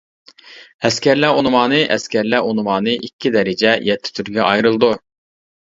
ئەسكەرلەر ئۇنۋانى ئەسكەرلەر ئۇنۋانى ئىككى دەرىجە، يەتتە تۈرگە ئايرىلىدۇ.